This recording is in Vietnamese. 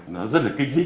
nó rất là kinh dịch